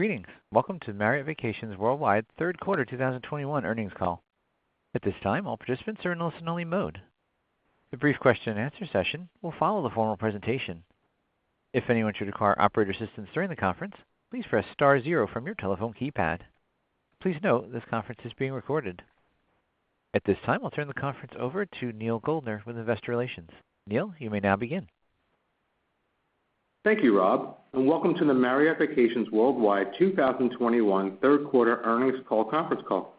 Greetings. Welcome to Marriott Vacations Worldwide third quarter 2021 earnings call. At this time, all participants are in listen-only mode. A brief question-and-answer session will follow the formal presentation. If anyone should require operator assistance during the conference, please press star zero from your telephone keypad. Please note this conference is being recorded. At this time, I'll turn the conference over to Neal Goldner with Investor Relations. Neal, you may now begin. Thank you, Rob, and welcome to the Marriott Vacations Worldwide 2021 third quarter earnings call conference call.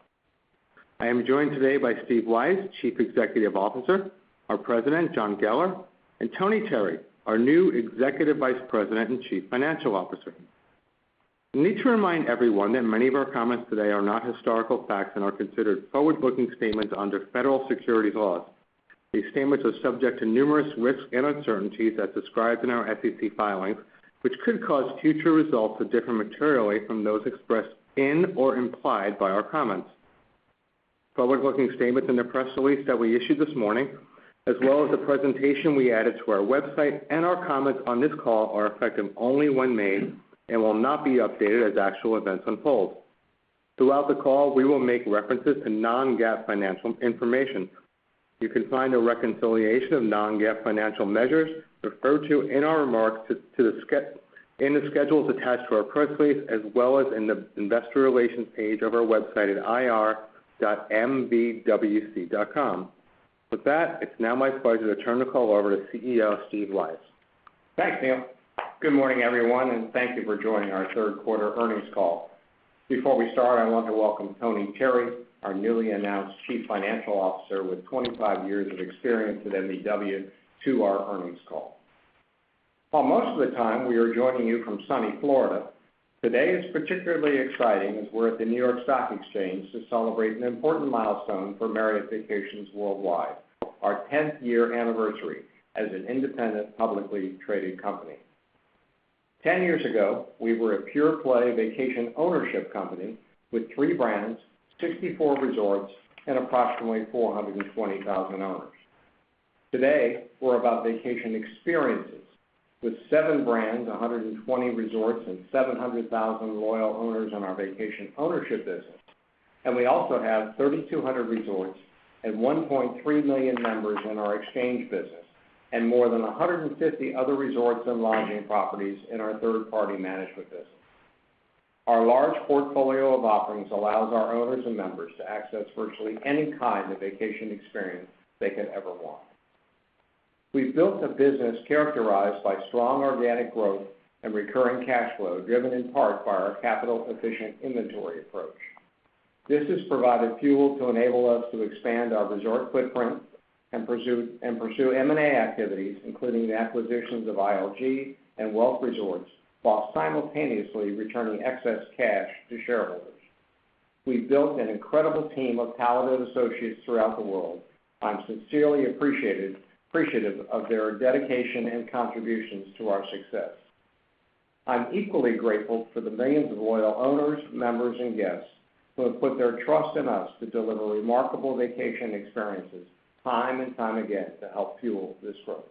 I am joined today by Steve Weisz, Chief Executive Officer, our President, John Geller, and Tony Terry, our new Executive Vice President and Chief Financial Officer. We need to remind everyone that many of our comments today are not historical facts and are considered forward-looking statements under federal securities laws. These statements are subject to numerous risks and uncertainties as described in our SEC filings, which could cause future results to differ materially from those expressed in or implied by our comments. Forward-looking statements in the press release that we issued this morning, as well as the presentation we added to our website and our comments on this call are effective only when made and will not be updated as actual events unfold. Throughout the call, we will make references to non-GAAP financial information. You can find a reconciliation of non-GAAP financial measures referred to in our remarks in the schedules attached to our press release, as well as in the investor relations page of our website at ir.mvwc.com. With that, it's now my pleasure to turn the call over to CEO Steve Weisz. Thanks, Neal. Good morning, everyone, and thank you for joining our third quarter earnings call. Before we start, I want to welcome Tony Terry, our newly announced Chief Financial Officer with 25 years of experience at MVW to our earnings call. While most of the time we are joining you from sunny Florida, today is particularly exciting as we're at the New York Stock Exchange to celebrate an important milestone for Marriott Vacations Worldwide, our 10th year anniversary as an independent, publicly traded company. 10 years ago, we were a pure play vacation ownership company with three brands, 64 resorts, and approximately 420,000 owners. Today, we're about vacation experiences with seven brands, 120 resorts, and 700,000 loyal owners on our vacation ownership business. We also have 3,200 resorts and 1.3 million members in our exchange business and more than 150 other resorts and lodging properties in our third-party management business. Our large portfolio of offerings allows our owners and members to access virtually any kind of vacation experience they could ever want. We've built a business characterized by strong organic growth and recurring cash flow, driven in part by our capital efficient inventory approach. This has provided fuel to enable us to expand our resort footprint and pursue M&A activities, including the acquisitions of ILG and Welk Resorts, while simultaneously returning excess cash to shareholders. We've built an incredible team of talented associates throughout the world. I'm sincerely appreciative of their dedication and contributions to our success. I'm equally grateful for the millions of loyal owners, members and guests who have put their trust in us to deliver remarkable vacation experiences time and time again to help fuel this growth.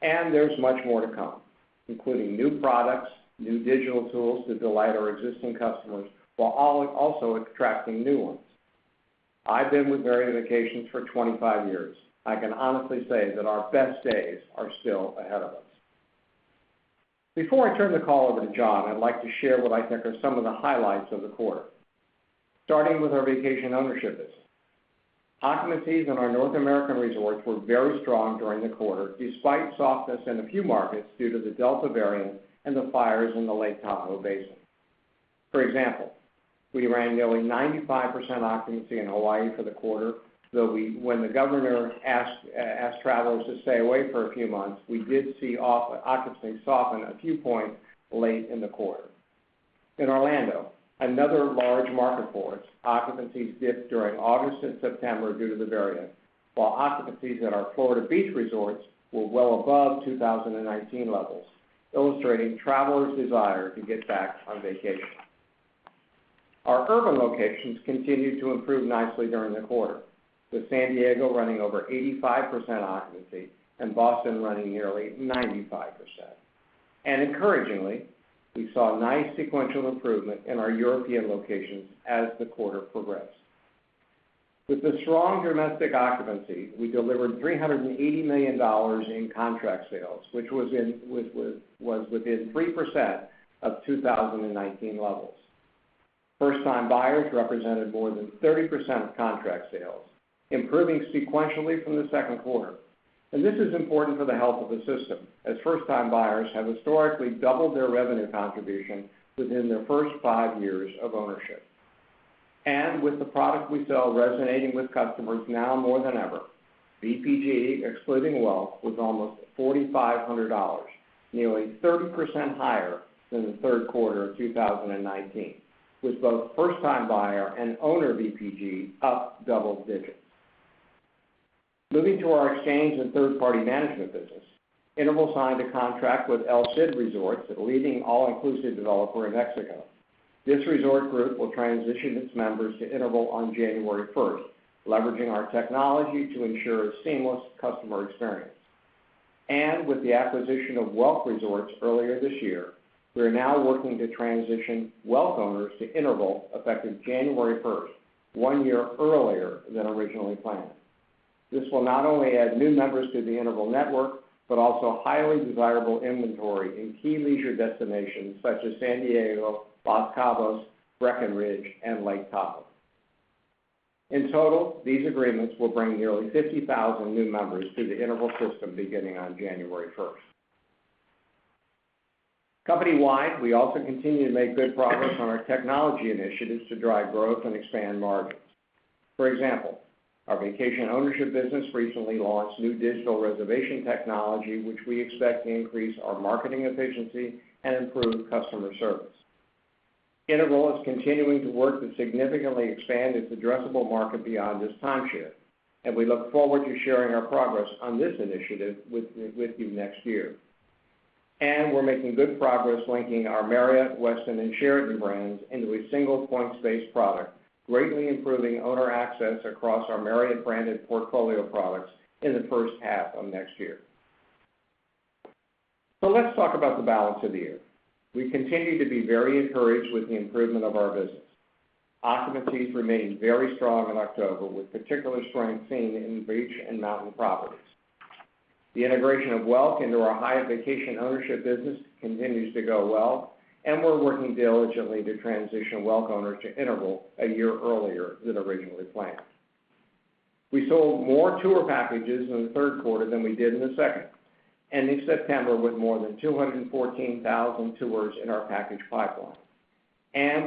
There's much more to come, including new products, new digital tools to delight our existing customers while also attracting new ones. I've been with Marriott Vacations for 25 years. I can honestly say that our best days are still ahead of us. Before I turn the call over to John, I'd like to share what I think are some of the highlights of the quarter, starting with our vacation ownership business. Occupancies in our North American resorts were very strong during the quarter, despite softness in a few markets due to the Delta variant and the fires in the Lake Tahoe basin. For example, we ran nearly 95% occupancy in Hawaii for the quarter, though we, when the governor asked travelers to stay away for a few months, we did see occupancy soften a few points late in the quarter. In Orlando, another large market for us, occupancies dipped during August and September due to the variant, while occupancies at our Florida beach resorts were well above 2019 levels, illustrating travelers' desire to get back on vacation. Our urban locations continued to improve nicely during the quarter, with San Diego running over 85% occupancy and Boston running nearly 95%. Encouragingly, we saw nice sequential improvement in our European locations as the quarter progressed. With the strong domestic occupancy, we delivered $380 million in contract sales, which was within 3% of 2019 levels. First-time buyers represented more than 30% of contract sales, improving sequentially from the second quarter. This is important for the health of the system, as first-time buyers have historically doubled their revenue contribution within their first five years of ownership. With the product we sell resonating with customers now more than ever, VPG excluding Welk was almost $4,500, nearly 30% higher than the third quarter of 2019, with both first-time buyer and owner VPG up double digits. Moving to our exchange and third-party management business, Interval signed a contract with El Cid Resorts, a leading all-inclusive developer in Mexico. This resort group will transition its members to Interval on January 1st, leveraging our technology to ensure a seamless customer experience. With the acquisition of Welk Resorts earlier this year, we are now working to transition Welk owners to Interval effective January first, one year earlier than originally planned. This will not only add new members to the Interval network, but also highly desirable inventory in key leisure destinations such as San Diego, Los Cabos, Breckenridge and Lake Tahoe. In total, these agreements will bring nearly 50,000 new members to the Interval system beginning on January first. Company-wide, we also continue to make good progress on our technology initiatives to drive growth and expand margins. For example, our vacation ownership business recently launched new digital reservation technology, which we expect to increase our marketing efficiency and improve customer service. Interval is continuing to work to significantly expand its addressable market beyond just timeshare, and we look forward to sharing our progress on this initiative with you next year. We're making good progress linking our Marriott, Westin and Sheraton brands into a single points-based product, greatly improving owner access across our Marriott-branded portfolio of products in the first half of next year. Let's talk about the balance of the year. We continue to be very encouraged with the improvement of our business. Occupancies remained very strong in October, with particular strength seen in beach and mountain properties. The integration of Welk into our entire vacation ownership business continues to go well, and we're working diligently to transition Welk owners to Interval a year earlier than originally planned. We sold more tour packages in the third quarter than we did in the second, ending September with more than 214,000 tours in our package pipeline.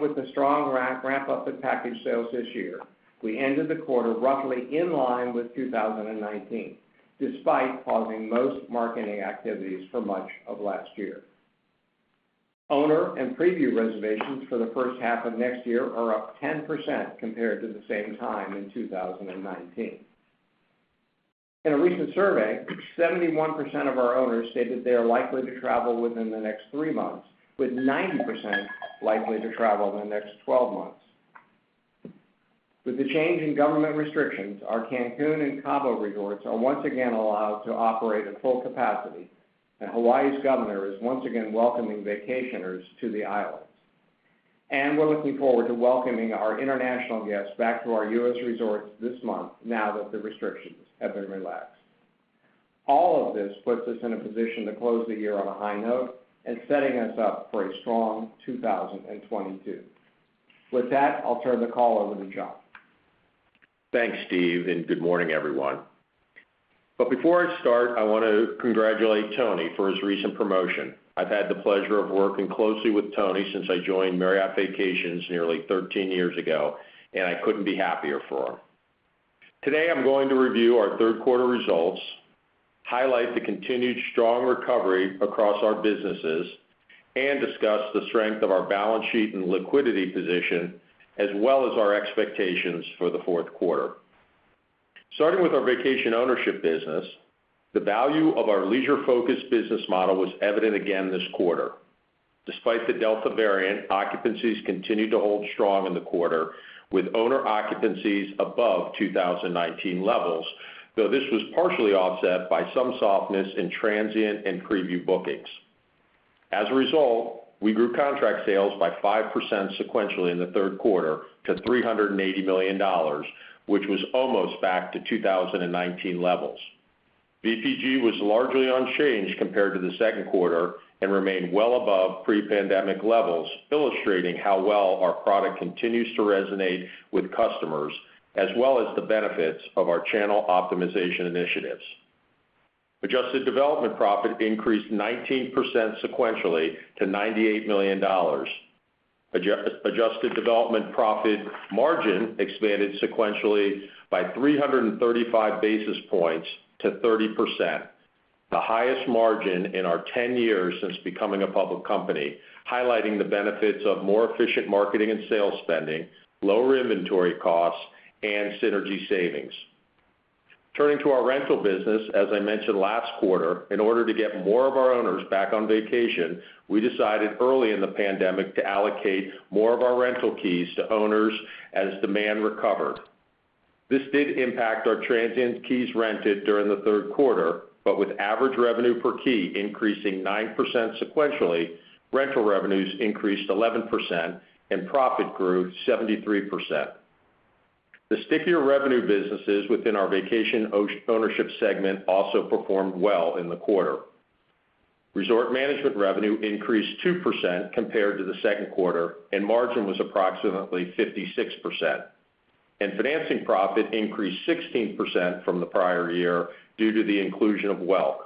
With the strong ramp up in package sales this year, we ended the quarter roughly in line with 2019, despite pausing most marketing activities for much of last year. Owner and preview reservations for the first half of next year are up 10% compared to the same time in 2019. In a recent survey, 71% of our owners stated they are likely to travel within the next three months, with 90% likely to travel in the next 12 months. With the change in government restrictions, our Cancún and Cabo resorts are once again allowed to operate at full capacity, and Hawaii's governor is once again welcoming vacationers to the islands. We're looking forward to welcoming our international guests back to our U.S. resorts this month now that the restrictions have been relaxed. All of this puts us in a position to close the year on a high note and setting us up for a strong 2022. With that, I'll turn the call over to John. Thanks, Steve, and good morning, everyone. Before I start, I want to congratulate Tony for his recent promotion. I've had the pleasure of working closely with Tony since I joined Marriott Vacations nearly 13 years ago, and I couldn't be happier for him. Today, I'm going to review our third quarter results, highlight the continued strong recovery across our businesses, and discuss the strength of our balance sheet and liquidity position, as well as our expectations for the fourth quarter. Starting with our vacation ownership business, the value of our leisure-focused business model was evident again this quarter. Despite the Delta variant, occupancies continued to hold strong in the quarter, with owner occupancies above 2019 levels, though this was partially offset by some softness in transient and preview bookings. As a result, we grew contract sales by 5% sequentially in the third quarter to $380 million, which was almost back to 2019 levels. VPG was largely unchanged compared to the second quarter and remained well above pre-pandemic levels, illustrating how well our product continues to resonate with customers, as well as the benefits of our channel optimization initiatives. Adjusted development profit increased 19% sequentially to $98 million. Adjusted development profit margin expanded sequentially by 335 basis points to 30%, the highest margin in our 10 years since becoming a public company, highlighting the benefits of more efficient marketing and sales spending, lower inventory costs, and synergy savings. Turning to our rental business, as I mentioned last quarter, in order to get more of our owners back on vacation, we decided early in the pandemic to allocate more of our rental keys to owners as demand recovered. This did impact our transient keys rented during the third quarter, but with average revenue per key increasing 9% sequentially, rental revenues increased 11% and profit grew 73%. The stickier revenue businesses within our vacation ownership segment also performed well in the quarter. Resort management revenue increased 2% compared to the second quarter, and margin was approximately 56%. Financing profit increased 16% from the prior year due to the inclusion of Welk.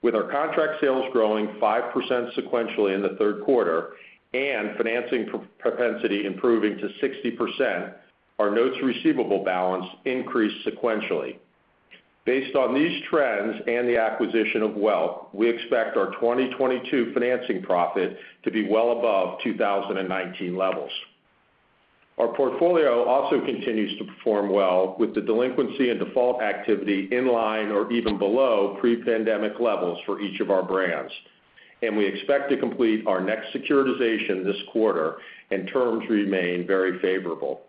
With our contract sales growing 5% sequentially in the third quarter and financing propensity improving to 60%, our notes receivable balance increased sequentially. Based on these trends and the acquisition of Welk, we expect our 2022 financing profit to be well above 2019 levels. Our portfolio also continues to perform well with the delinquency and default activity in line or even below pre-pandemic levels for each of our brands. We expect to complete our next securitization this quarter and terms remain very favorable.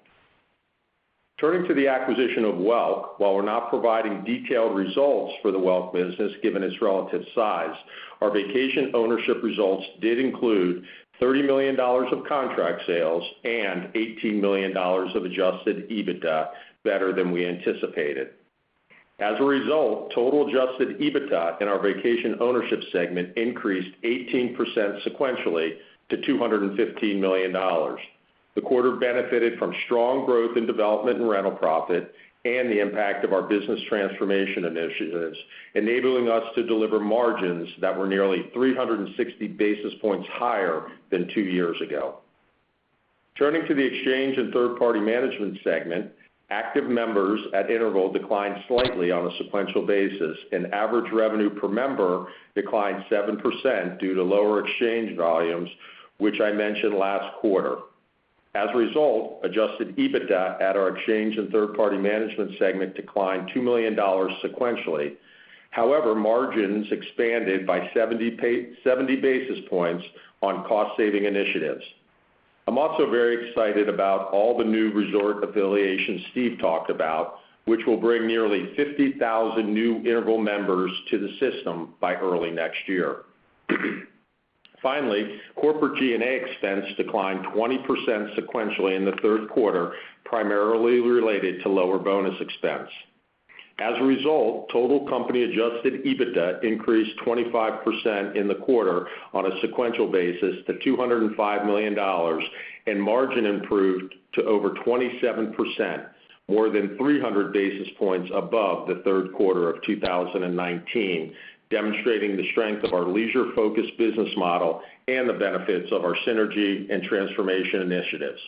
Turning to the acquisition of Welk. While we're not providing detailed results for the Welk business, given its relative size, our vacation ownership results did include $30 million of contract sales and $18 million of Adjusted EBITDA, better than we anticipated. As a result, total Adjusted EBITDA in our vacation ownership segment increased 18% sequentially to $215 million. The quarter benefited from strong growth in development and rental profit and the impact of our business transformation initiatives, enabling us to deliver margins that were nearly 360 basis points higher than two years ago. Turning to the exchange and third-party management segment. Active members at Interval declined slightly on a sequential basis, and average revenue per member declined 7% due to lower exchange volumes, which I mentioned last quarter. As a result, Adjusted EBITDA at our exchange and third-party management segment declined $2 million sequentially. However, margins expanded by 70 basis points on cost-saving initiatives. I'm also very excited about all the new resort affiliations Steve talked about, which will bring nearly 50,000 new Interval members to the system by early next year. Finally, corporate G&A expense declined 20% sequentially in the third quarter, primarily related to lower bonus expense. As a result, total company Adjusted EBITDA increased 25% in the quarter on a sequential basis to $205 million, and margin improved to over 27%, more than 300 basis points above the third quarter of 2019, demonstrating the strength of our leisure-focused business model and the benefits of our synergy and transformation initiatives.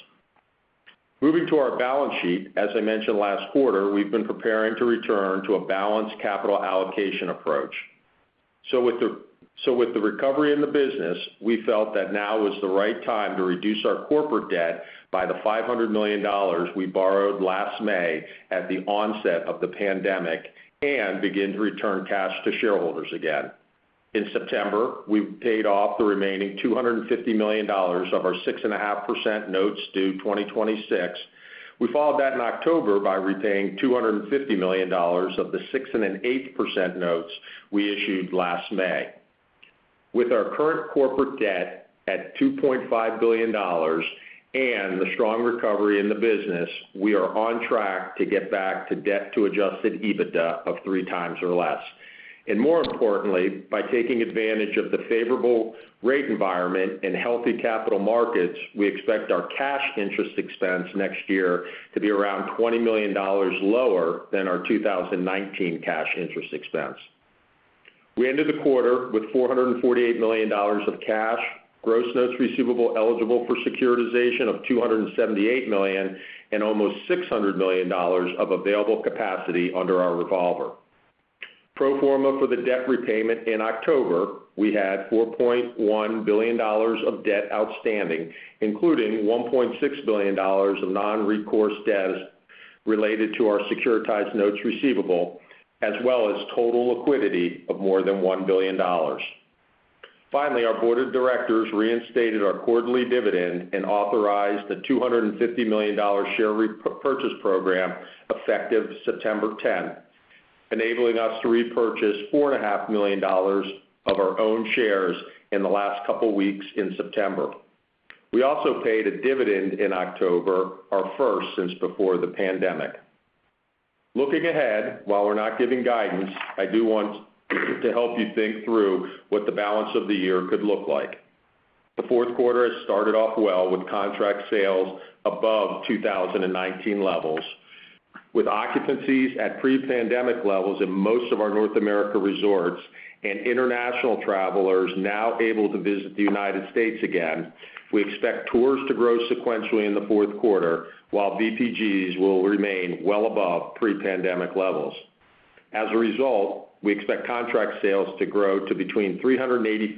Moving to our balance sheet. As I mentioned last quarter, we've been preparing to return to a balanced capital allocation approach. With the recovery in the business, we felt that now was the right time to reduce our corporate debt by the $500 million we borrowed last May at the onset of the pandemic and begin to return cash to shareholders again. In September, we paid off the remaining $250 million of our 6.5% notes due 2026. We followed that in October by repaying $250 million of the 6.875% notes we issued last May. With our current corporate debt at $2.5 billion and the strong recovery in the business, we are on track to get back to debt-to-Adjusted EBITDA of 3x or less. More importantly, by taking advantage of the favorable rate environment and healthy capital markets, we expect our cash interest expense next year to be around $20 million lower than our 2019 cash interest expense. We ended the quarter with $448 million of cash, gross notes receivable eligible for securitization of $278 million, and almost $600 million of available capacity under our revolver. Pro forma for the debt repayment in October, we had $4.1 billion of debt outstanding, including $1.6 billion of non-recourse debt related to our securitized notes receivable, as well as total liquidity of more than $1 billion. Finally, our board of directors reinstated our quarterly dividend and authorized a $250 million share repurchase program effective September 10th, enabling us to repurchase $4.5 million of our own shares in the last couple weeks in September. We also paid a dividend in October, our first since before the pandemic. Looking ahead, while we're not giving guidance, I do want to help you think through what the balance of the year could look like. The fourth quarter has started off well with contract sales above 2019 levels. With occupancies at pre-pandemic levels in most of our North America resorts and international travelers now able to visit the United States again, we expect tours to grow sequentially in the fourth quarter, while VPGs will remain well above pre-pandemic levels. As a result, we expect contract sales to grow to between $385 million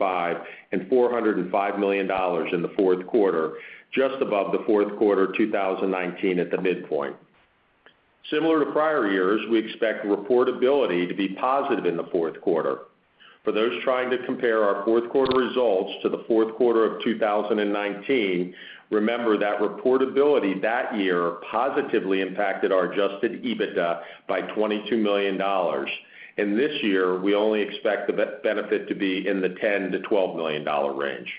and $405 million in the fourth quarter, just above the fourth quarter 2019 at the midpoint. Similar to prior years, we expect reportability to be positive in the fourth quarter. For those trying to compare our fourth quarter results to the fourth quarter of 2019, remember that reportability that year positively impacted our Adjusted EBITDA by $22 million. This year, we only expect the benefit to be in the $10 million-$12 million range.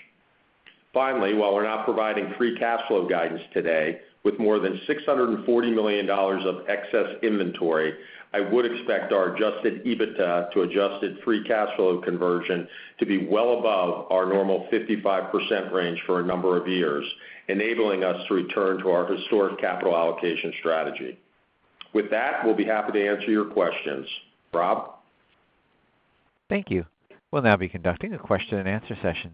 Finally, while we're not providing free cash flow guidance today, with more than $640 million of excess inventory, I would expect our Adjusted EBITDA to adjusted free cash flow conversion to be well above our normal 55% range for a number of years, enabling us to return to our historic capital allocation strategy. With that, we'll be happy to answer your questions. Rob? Thank you. We'll now be conducting a question-and-answer session.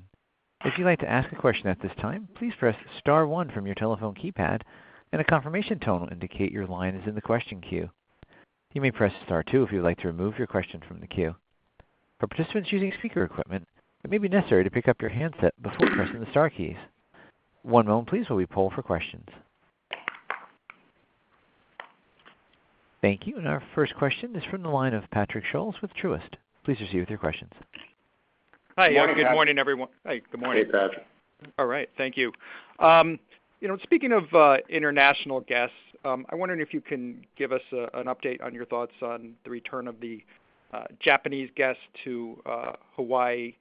If you'd like to ask a question at this time, please press star one from your telephone keypad and a confirmation tone will indicate your line is in the question queue. You may press star two if you would like to remove your question from the queue. For participants using speaker equipment, it may be necessary to pick up your handset before pressing the star keys. One moment please while we poll for questions. Thank you. Our first question is from the line of Patrick Scholes with Truist. Please proceed with your questions. Hi, good morning, everyone. Hey, Patrick. All right. Thank you. You know, speaking of international guests, I'm wondering if you can give us an update on your thoughts on the return of the Japanese guests to Hawaii.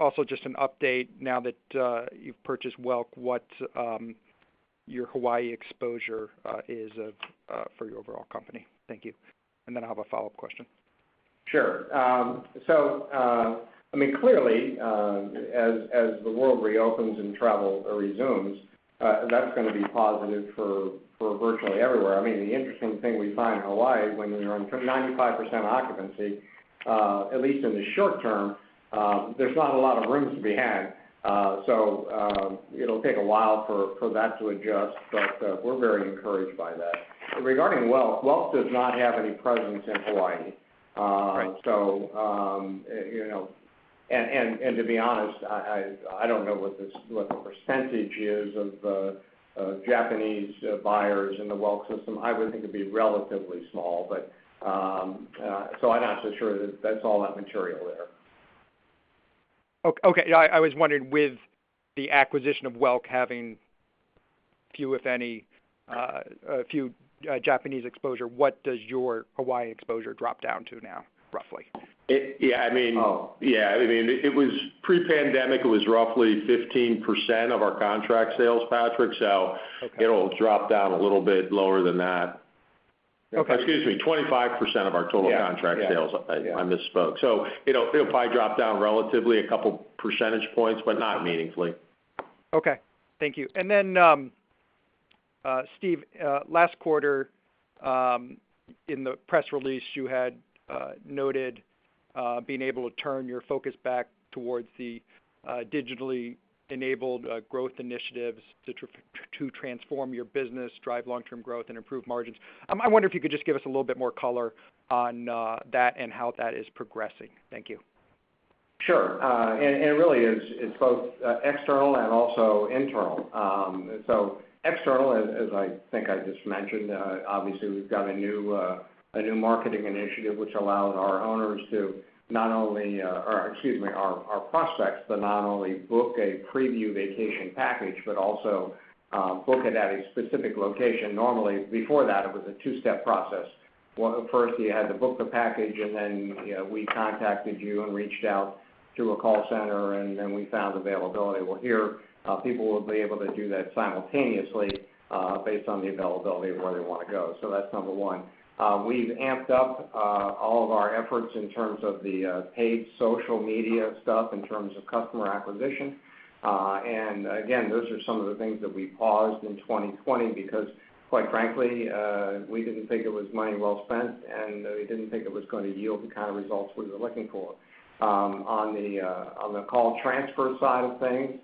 Also just an update now that you've purchased Welk, what your Hawaii exposure is for your overall company. Thank you. Then I have a follow-up question. Sure. I mean, clearly, as the world reopens and travel resumes, that's gonna be positive for virtually everywhere. I mean, the interesting thing we find in Hawaii when we're 95% occupancy, at least in the short term, there's not a lot of rooms to be had. It'll take a while for that to adjust, but we're very encouraged by that. Regarding Welk does not have any presence in Hawaii. Right. You know, to be honest, I don't know what the percentage is of the Japanese buyers in the Welk system. I would think it'd be relatively small. I'm not so sure that that's all that material there. Okay. I was wondering with the acquisition of Welk having few, if any, Japanese exposure, what does your Hawaii exposure drop down to now, roughly? Yeah, I mean. Oh. Yeah, I mean, pre-pandemic, it was roughly 15% of our contract sales, Patrick. So- Okay It'll drop down a little bit lower than that. Okay. Excuse me, 25% of our total contract sales. Yeah. Yeah. I misspoke. It'll probably drop down relatively a couple percentage points, but not meaningfully. Okay. Thank you. Then, Steve, last quarter, in the press release, you had noted being able to turn your focus back towards the digitally enabled growth initiatives to transform your business, drive long-term growth, and improve margins. I wonder if you could just give us a little bit more color on that and how that is progressing. Thank you. Sure. It really is. It's both external and also internal. External, as I think I just mentioned, obviously we've got a new marketing initiative which allows our owners to not only, or excuse me, our prospects, to not only book a preview vacation package, but also book it at a specific location. Normally, before that, it was a two-step process. First, you had to book the package, and then, you know, we contacted you and reached out through a call center, and then we found availability. Well, here, people will be able to do that simultaneously based on the availability of where they wanna go. That's number one. We've amped up all of our efforts in terms of the paid social media stuff in terms of customer acquisition. Again, those are some of the things that we paused in 2020 because quite frankly, we didn't think it was money well spent, and we didn't think it was gonna yield the kind of results we were looking for. On the call transfer side of things,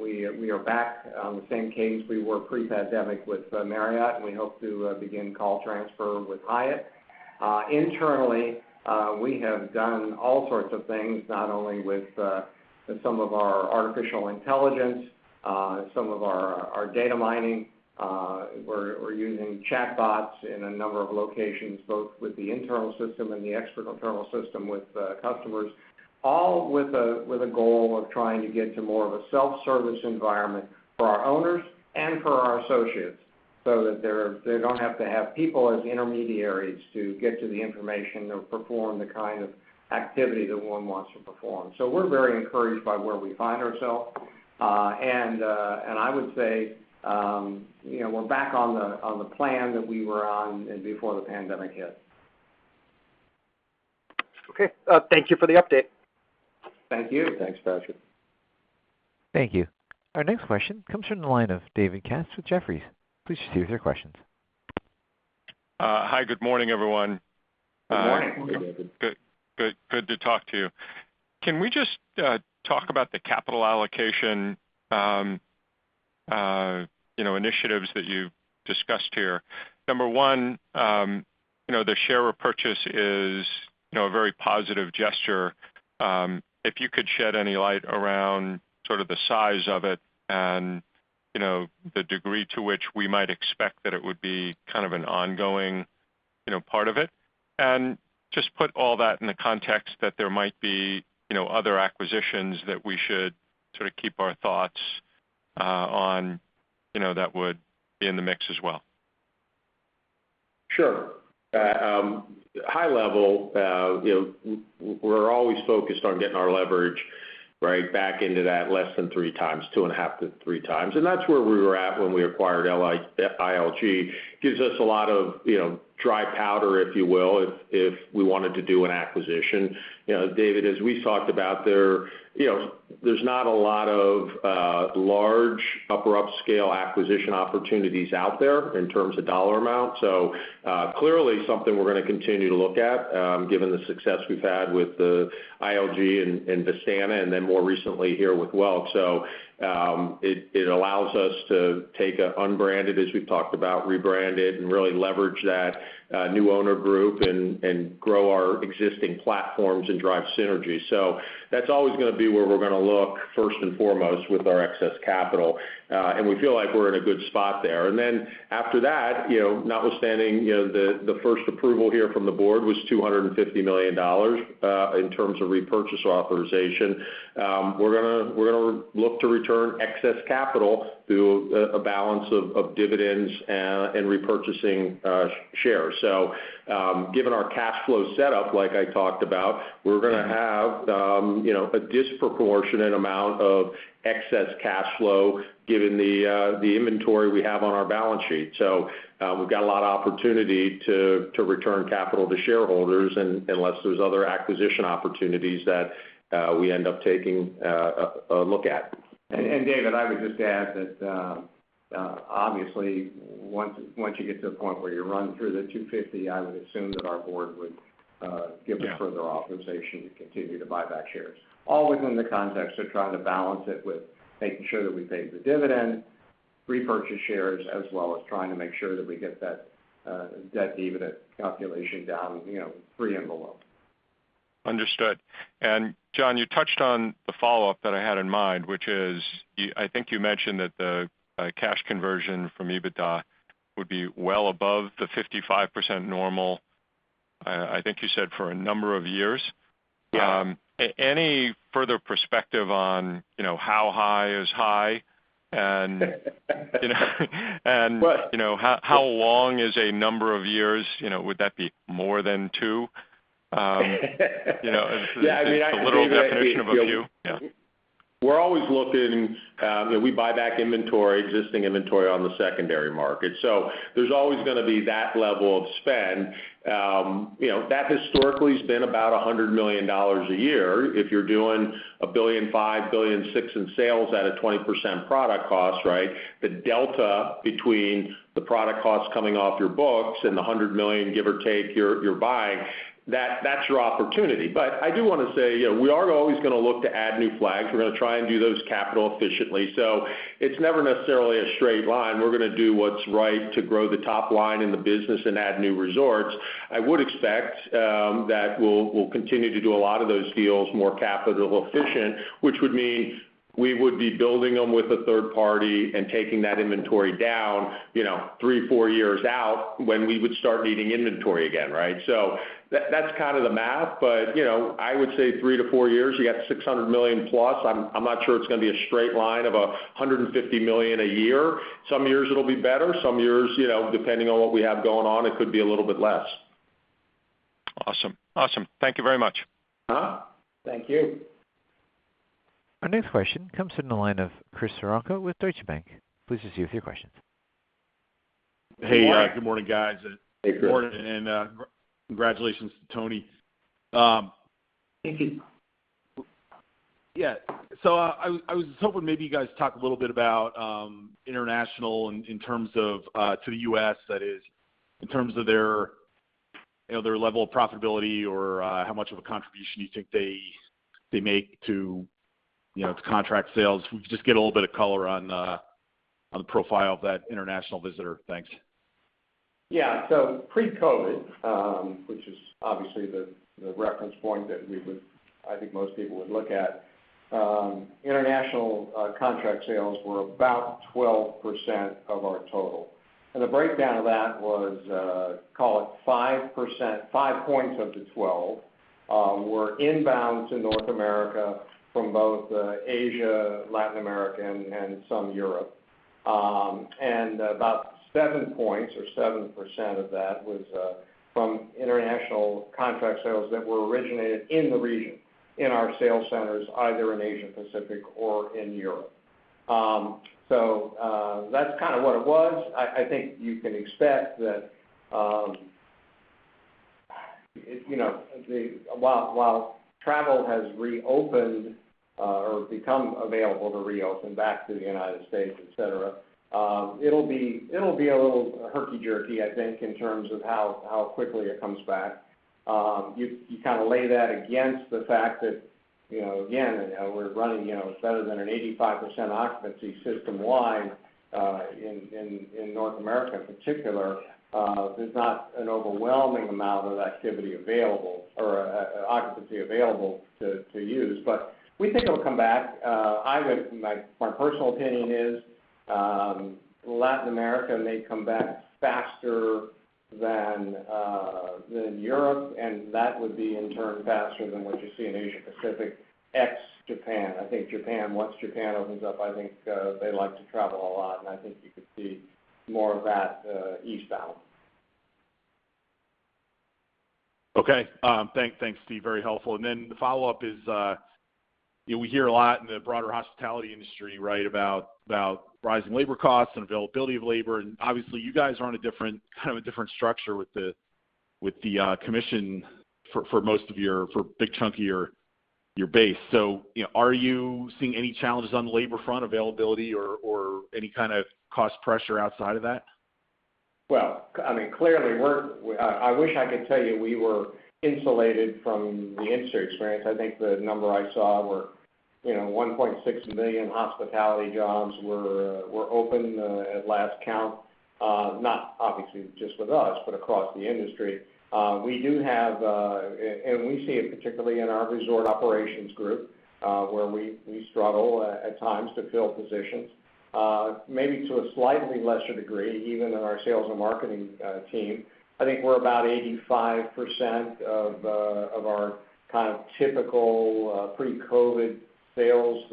we are back on the same page we were pre-pandemic with Marriott, and we hope to begin call transfer with Hyatt. Internally, we have done all sorts of things, not only with some of our artificial intelligence, some of our data mining. We're using chatbots in a number of locations, both with the internal system and the external system with customers, all with a goal of trying to get to more of a self-service environment for our owners and for our associates, so that they don't have to have people as intermediaries to get to the information or perform the kind of activity that one wants to perform. We're very encouraged by where we find ourselves. I would say, you know, we're back on the plan that we were on before the pandemic hit. Okay. Thank you for the update. Thank you. Thanks, Patrick. Thank you. Our next question comes from the line of David Katz with Jefferies. Please proceed with your questions. Hi. Good morning, everyone. Good morning. Good morning, David. Good to talk to you. Can we just talk about the capital allocation, you know, initiatives that you've discussed here? Number one, you know, the share repurchase is, you know, a very positive gesture. If you could shed any light around sort of the size of it and, you know, the degree to which we might expect that it would be kind of an ongoing, you know, part of it. Just put all that in the context that there might be, you know, other acquisitions that we should sort of keep our thoughts on, you know, that would be in the mix as well. Sure. High level, you know, we're always focused on getting our leverage, right, back into that less than 3x, 2.5x-3x. That's where we were at when we acquired ILG. Gives us a lot of, you know, dry powder, if you will, if we wanted to do an acquisition. You know, David, as we talked about there, you know, there's not a lot of large upper upscale acquisition opportunities out there in terms of dollar amount. Clearly something we're gonna continue to look at, given the success we've had with ILG and Vistana, and then more recently here with Welk. It allows us to take an unbranded, as we've talked about, rebrand it, and really leverage that new owner group and grow our existing platforms and drive synergy. That's always gonna be where we're gonna look first and foremost with our excess capital. We feel like we're in a good spot there. Then after that, notwithstanding, the first approval here from the board was $250 million in terms of repurchase authorization. We're gonna look to return excess capital through a balance of dividends and repurchasing shares. Given our cash flow setup, like I talked about, we're gonna have a disproportionate amount of excess cash flow given the inventory we have on our balance sheet. We've got a lot of opportunity to return capital to shareholders and unless there's other acquisition opportunities that we end up taking a look at. David, I would just add that obviously once you get to a point where you run through the $250, I would assume that our board would Yeah Give us further authorization to continue to buy back shares, all within the context of trying to balance it with making sure that we pay the dividend, repurchase shares, as well as trying to make sure that we get that debt-to-EBITDA calculation down, you know, pre-pandemic. Understood. John, you touched on the follow-up that I had in mind, which is, I think you mentioned that the cash conversion from EBITDA would be well above the 55% normal, I think you said for a number of years. Yeah. Any further perspective on, you know, how high is high? You know But- You know, how long is a number of years? You know, would that be more than two? You know, is the literal definition of a few? Yeah. Yeah. I mean, I think that we're always looking, you know, we buy back inventory, existing inventory on the secondary market. There's always gonna be that level of spend. That historically has been about $100 million a year. If you're doing $1.5 billion-$1.6 billion in sales at a 20% product cost, right? The delta between the product costs coming off your books and the $100 million, give or take, you're buying, that's your opportunity. I do wanna say, you know, we are always gonna look to add new flags. We're gonna try and do those capital efficiently. It's never necessarily a straight line. We're gonna do what's right to grow the top line in the business and add new resorts. I would expect that we'll continue to do a lot of those deals more capital efficient, which would mean we would be building them with a third party and taking that inventory down, you know, three-four years out when we would start needing inventory again, right? That's kind of the math. You know, I would say three-four years, you got $600+ million. I'm not sure it's gonna be a straight line of $150 million a year. Some years it'll be better, some years, you know, depending on what we have going on, it could be a little bit less. Awesome. Awesome. Thank you very much. Thank you. Our next question comes from the line of Chris Woronka with Deutsche Bank. Please proceed with your questions. Good morning. Hey, good morning, guys. Hey, Chris. Good morning, and congratulations to Tony. Thank you. Yeah. I was hoping maybe you guys talk a little bit about international in terms of to the U.S. that is, in terms of their you know their level of profitability or how much of a contribution you think they make to you know to contract sales. If we could just get a little bit of color on the profile of that international visitor. Thanks. Yeah. Pre-COVID, which is obviously the reference point that we would I think most people would look at, international contract sales were about 12% of our total. The breakdown of that was, call it 5% or 5 points of the 12, were inbound to North America from both, Asia, Latin America, and some Europe. About 7 points or 7% of that was from international contract sales that were originated in the region, in our sales centers, either in Asia Pacific or in Europe. That's kind of what it was. I think you can expect that, while travel has reopened or become available to reopen back to the United States, et cetera, it'll be a little herky-jerky, I think, in terms of how quickly it comes back. You kind of lay that against the fact that, you know, again, we're running better than 85% occupancy system-wide, in North America in particular. There's not an overwhelming amount of activity available or occupancy available to use. But we think it'll come back. My personal opinion is, Latin America may come back faster than Europe, and that would be in turn faster than what you see in Asia Pacific, ex-Japan. I think Japan, once Japan opens up, I think, they like to travel a lot, and I think you could see more of that, eastbound. Okay. Thanks, Steve. Very helpful. Then the follow-up is, you know, we hear a lot in the broader hospitality industry, right, about rising labor costs and availability of labor. Obviously, you guys are on a different structure with the commission for a big chunk of your base. You know, are you seeing any challenges on the labor front, availability or any kind of cost pressure outside of that? I mean, clearly, we were insulated from the industry experience. I wish I could tell you we were insulated from the industry experience. I think the number I saw were, you know, 1.6 million hospitality jobs were open at last count. Not obviously just with us, but across the industry. We do have and we see it particularly in our resort operations group, where we struggle at times to fill positions. Maybe to a slightly lesser degree, even in our sales and marketing team. I think we're about 85% of our kind of typical pre-COVID sales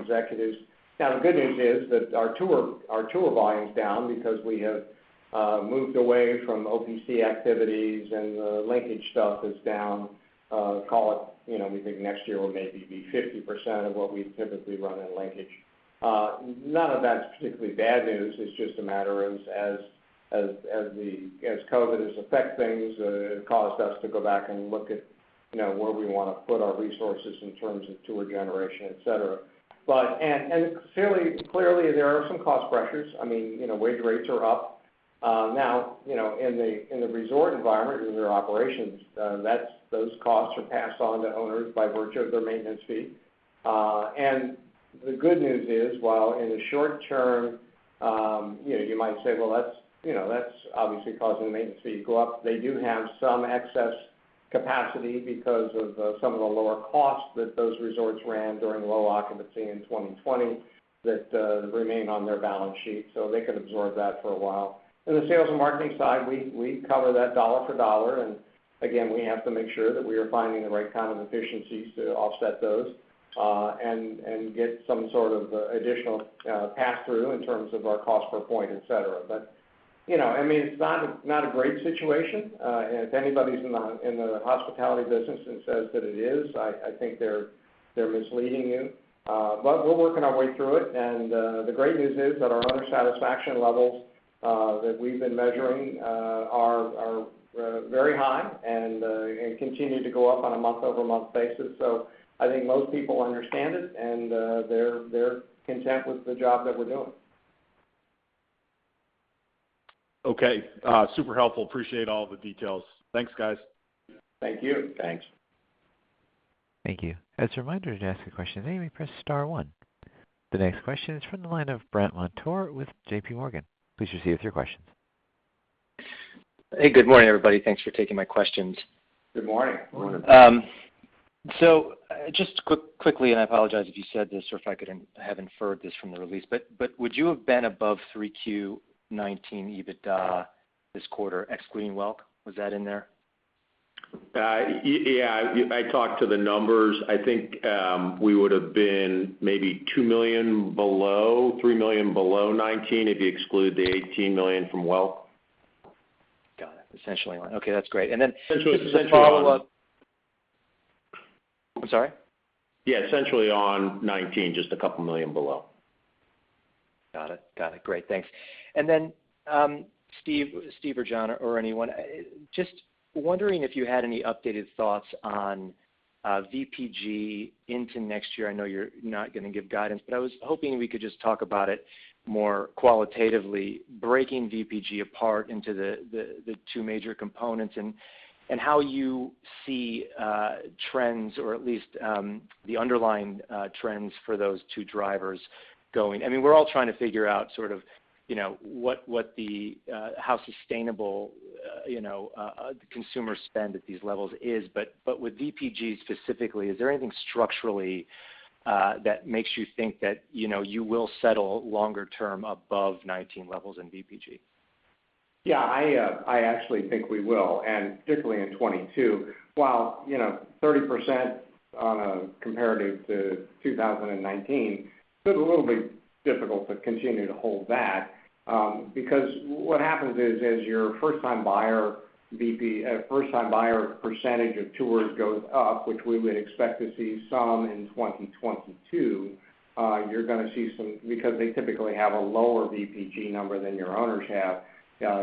executives. Now, the good news is that our tour volume is down because we have moved away from OPC activities and the linkage stuff is down, call it, you know, we think next year will maybe be 50% of what we typically run in linkage. None of that's particularly bad news. It's just a matter, as COVID has affected things, it caused us to go back and look at, you know, where we wanna put our resources in terms of tour generation, et cetera. Fairly clearly, there are some cost pressures. I mean, you know, wage rates are up. Now, you know, in the resort environment, in their operations, those costs are passed on to owners by virtue of their maintenance fee. The good news is while in the short term, you know, you might say, well, that's, you know, that's obviously causing the maintenance fee to go up, they do have some excess capacity because of some of the lower costs that those resorts ran during low occupancy in 2020 that remain on their balance sheet, so they could absorb that for a while. In the sales and marketing side, we cover that dollar for dollar, and again, we have to make sure that we are finding the right kind of efficiencies to offset those, and get some sort of additional pass-through in terms of our cost per point, et cetera. You know, I mean, it's not a great situation. If anybody's in the hospitality business and says that it is, I think they're misleading you. We're working our way through it, and the great news is that our owner satisfaction levels that we've been measuring are very high and continue to go up on a month-over-month basis. I think most people understand it and they're content with the job that we're doing. Okay. Super helpful. Appreciate all the details. Thanks, guys. Thank you. Thanks. Thank you. As a reminder, to ask a question at any time, press star one. The next question is from the line of Brandt Montour with Barclays. Please proceed with your question. Hey, good morning, everybody. Thanks for taking my questions. Good morning. Morning. Just quickly, I apologize if you said this. I have inferred this from the release, but would you have been above 3Q 2019 EBITDA this quarter excluding Welk? Was that in there? Yeah, if I talk to the numbers, I think we would have been maybe $2 million below, $3 million below 2019 if you exclude the $18 million from Welk. Got it. Essentially. Okay, that's great. Essentially Just a follow-up. I'm sorry? Yeah, essentially on 2019, just $2 million below. Got it. Great. Thanks. Steve or John or anyone, just wondering if you had any updated thoughts on VPG into next year. I know you're not gonna give guidance, but I was hoping we could just talk about it more qualitatively, breaking VPG apart into the two major components and how you see trends or at least the underlying trends for those two drivers going. I mean, we're all trying to figure out sort of, you know, how sustainable, you know, consumer spend at these levels is, but with VPG specifically, is there anything structurally that makes you think that, you know, you will settle longer term above 2019 levels in VPG? Yeah, I actually think we will, and particularly in 2022. While you know 30% compared to 2019, so it's a little bit difficult to continue to hold that, because what happens is, as your first-time buyer percentage of tours goes up, which we would expect to see some in 2022, you're gonna see because they typically have a lower VPG number than your owners have,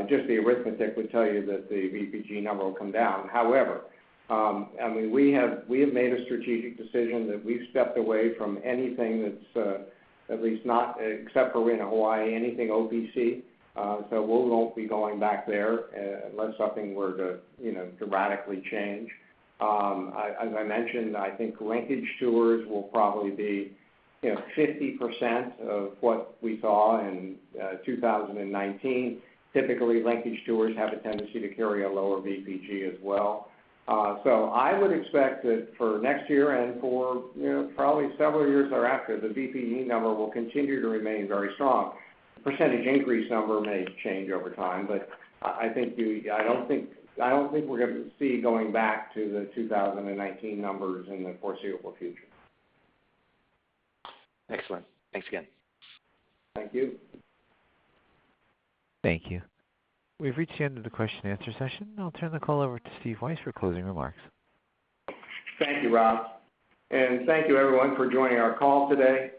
just the arithmetic would tell you that the VPG number will come down. However, I mean, we have made a strategic decision that we've stepped away from anything that's OPC, at least not except for in Hawaii. So we won't be going back there unless something were to you know dramatically change. As I mentioned, I think linkage tours will probably be, you know, 50% of what we saw in 2019. Typically, linkage tours have a tendency to carry a lower VPG as well. I would expect that for next year and for, you know, probably several years or after, the VPG number will continue to remain very strong. Percentage increase number may change over time, but I think I don't think we're gonna see going back to the 2019 numbers in the foreseeable future. Excellent. Thanks again. Thank you. Thank you. We've reached the end of the question-and-answer session. I'll turn the call over to Steve Weisz for closing remarks. Thank you, Rob. Thank you everyone for joining our call today.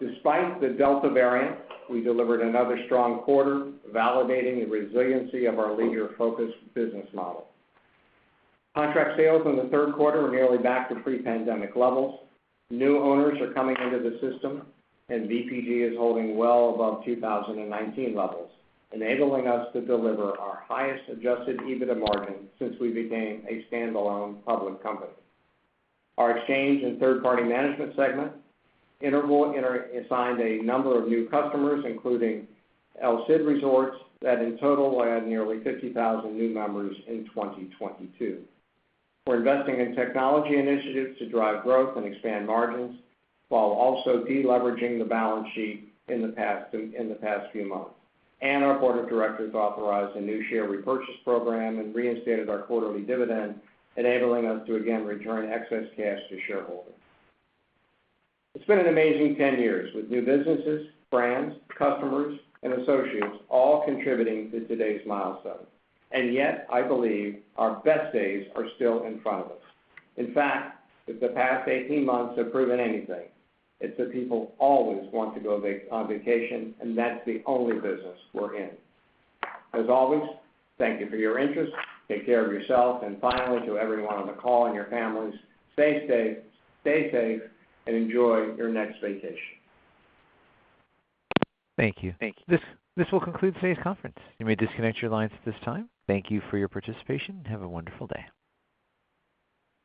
Despite the Delta variant, we delivered another strong quarter, validating the resiliency of our leisure-focused business model. Contract sales in the third quarter are nearly back to pre-pandemic levels. New owners are coming into the system and VPG is holding well above 2019 levels, enabling us to deliver our highest Adjusted EBITDA margin since we became a standalone public company. Our exchange and third party management segment, Interval, assigned a number of new customers, including El Cid Resorts, that in total will add nearly 50,000 new members in 2022. We're investing in technology initiatives to drive growth and expand margins while also de-leveraging the balance sheet in the past few months. Our board of directors authorized a new share repurchase program and reinstated our quarterly dividend, enabling us to again return excess cash to shareholders. It's been an amazing 10 years with new businesses, brands, customers, and associates all contributing to today's milestone. Yet, I believe our best days are still in front of us. In fact, if the past 18 months have proven anything, it's that people always want to go on vacation, and that's the only business we're in. As always, thank you for your interest. Take care of yourself. Finally, to everyone on the call and your families, stay safe and enjoy your next vacation. Thank you. This will conclude today's conference. You may disconnect your lines at this time. Thank you for your participation, and have a wonderful day.